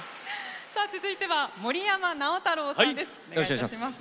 さあ続いては森山直太朗さんです。